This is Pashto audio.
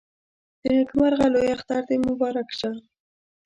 د نيکمرغه لوی اختر دې مبارک شه